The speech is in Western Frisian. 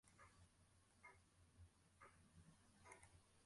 Dy't syn stoel ferlit, dêr't in oar op sitten giet.